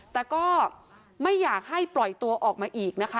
แต่ก็ไม่อยากให้ปล่อยตัวออกมาอีกนะคะ